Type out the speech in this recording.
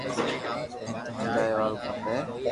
اينو ھمجايا وارو کپي